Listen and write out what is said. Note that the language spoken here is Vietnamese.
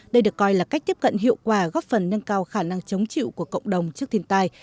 đây được coi là cách tiếp cận hiệu quả góp phần nâng cao khả năng chống chịu của cộng đồng trước thiên tai